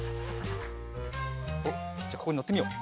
おっじゃあここにのってみよう。